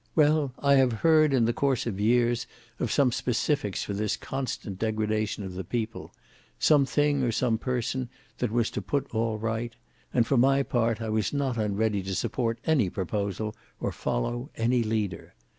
Well, I have heard, in the course of years, of some specifics for this constant degradation of the people; some thing or some person that was to put all right; and for my part, I was not unready to support any proposal or follow any leader.